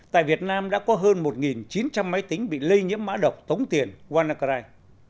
tại việt nam đã có hơn một chín trăm linh máy tính bị lây nhiễm mã độc tống tiền wanakarai